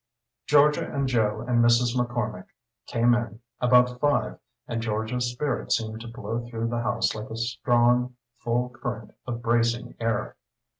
Georgia and Joe and Mrs. McCormick came in about five and Georgia's spirit seemed to blow through the house like a strong, full current of bracing air.